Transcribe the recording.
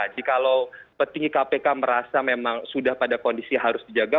jikalau petinggi kpk merasa memang sudah pada kondisi harus dijaga